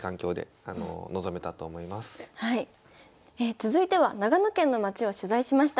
続いては長野県の町を取材しました。